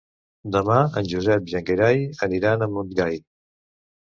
Demà en Josep i en Gerai aniran a Montgai.